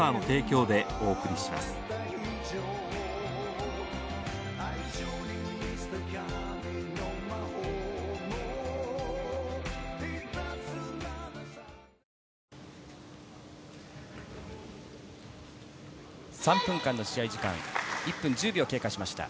互いに２つ、３分間の試合時間１分１０秒経過しました。